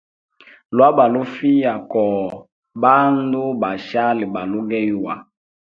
Lwa balufiya koho bandu ba shali balugeyuwa.